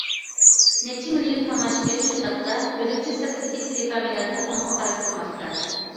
نەچچە مىليون تاماشىبىن شۇ تاپتا بۆلۈمچە سىرتىدىكى تېلېكامېرادىن ئۇنىڭغا قاراپ تۇرماقتا.